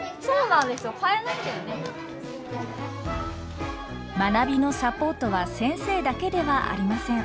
学びのサポートは先生だけではありません。